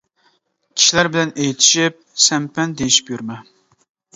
كىشىلەر بىلەن ئېيتىشىپ، سەن-پەن دېيىشىپ يۈرمە.